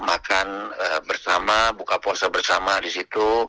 makan bersama buka puasa bersama di situ